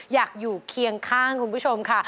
อยากอยู่เคียงข้างคุณผู้ชมค่ะ